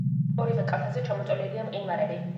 ორივე კალთაზე ჩამოწოლილია მყინვარები.